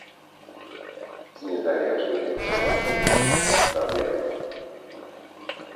З незалежнымі экспертамі праблема.